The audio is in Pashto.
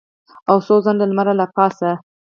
او سوځنده لمر له پاسه.